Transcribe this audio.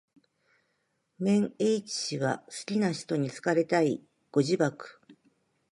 綿 h 氏は好きな使途に好かれたい。ご自爆